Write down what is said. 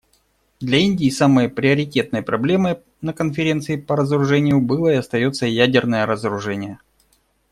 Для Индии самой приоритетной проблемой на Конференции по разоружению было и остается ядерное разоружение.